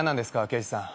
刑事さん。